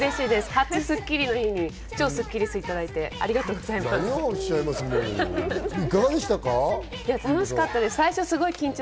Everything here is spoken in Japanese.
初『スッキリ』の日に超スッキりすをいただいて、ありがとうございます。